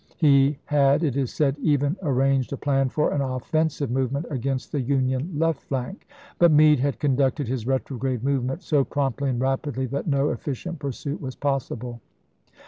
He had, it is said, even ar p.se'g. ranged a plan for an offensive movement against the Union left flank, but Meade had conducted his retrograde movement so promptly and rapidly that no efficient pursuit was possible.